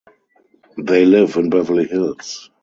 They live in Beverly Hills.